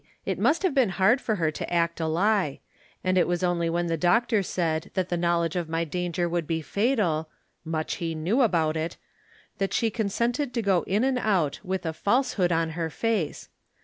It must have been hard for her to act a lie ; and it was only when the doctor said that the knowledge of my danger would be fatal — ^much he knew about it !— that she con sented to go in and out with a falsehood on her face.